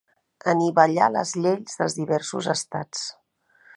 Anivellar les lleis dels diversos estats.